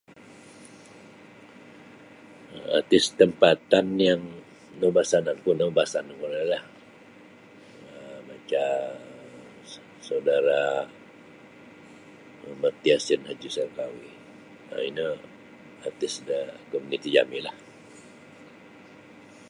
Artis tempatan yang naubasananku naubasanku ialah um macam saudara' Mohamad Yasin Hj. Sarkawi um ino artis da komuniti jami'lah.